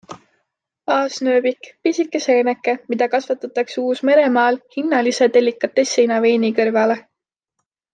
Aasnööbik, pisike seeneke, mida kasvatatakse Uus-Meremaal hinnalise delikatessina veini kõrvale.